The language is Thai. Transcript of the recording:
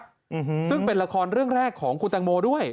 อืมซึ่งเป็นละครเรื่องแรกของคุณตังโมด้วย